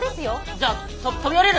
じゃあ飛び降りる。